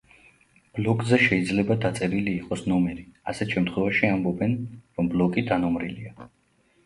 ბლოკზე შეიძლება დაწერილი იყოს ნომერი, ასეთ შემთხვევაში ამბობენ, რომ ბლოკი დანომრილია.